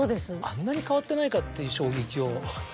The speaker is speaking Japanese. あんなに変わってないかっていう衝撃を。